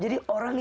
jadi orang yang